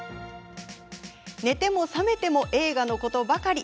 寝ても覚めても映画のことばかり。